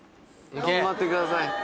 ・頑張ってください